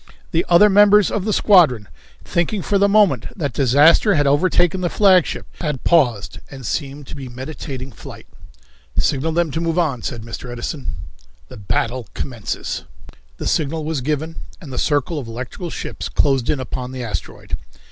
The other members of the squadron, thinking for the moment that disaster had overtaken the flagship, had paused and seemed to be meditating flight. "Signal them to move on," said Mr. Edison. The Battle Commences. The signal was given, and the circle of electrical ships closed in upon the asteroid.